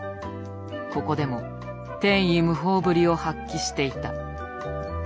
ここでも天衣無縫ぶりを発揮していた。